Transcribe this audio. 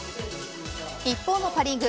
一方のパ・リーグ